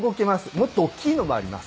もっと大きいのもあります。